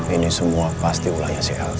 ini semua pasti ulahnya si elsa